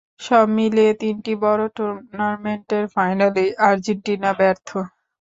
সব মিলিয়ে তিনটি বড় টুর্নামেন্টের ফাইনালেই আর্জেন্টিনা ব্যর্থ।